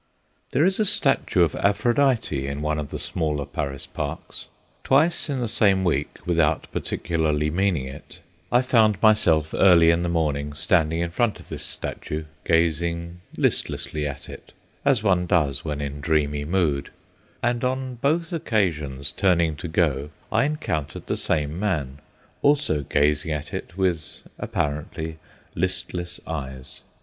There is a statue of Aphrodite in one of the smaller Paris parks. Twice in the same week, without particularly meaning it, I found myself early in the morning standing in front of this statue gazing listlessly at it, as one does when in dreamy mood; and on both occasions, turning to go, I encountered the same man, also gazing at it with, apparently, listless eyes.